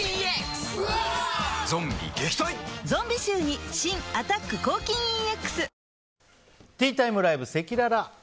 ゾンビ臭に新「アタック抗菌ＥＸ」